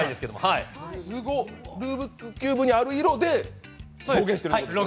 ルービックキューブにある色で表現しているんですね。